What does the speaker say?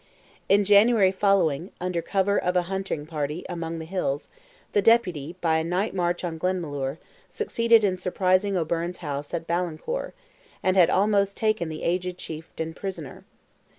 In January following, under cover of a hunting party among the hills, the Deputy, by a night march on Glenmalure, succeeded in surprising O'Byrne's house at Ballincor, and had almost taken the aged chieftain prisoner.